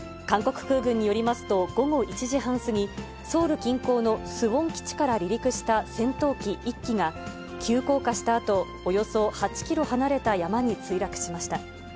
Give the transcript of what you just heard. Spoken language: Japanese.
韓国空軍によりますと、午後１時半過ぎ、ソウル近郊のスウォン基地から離陸した戦闘機１機が急降下したあと、およそ８キロ離れた山に墜落しました。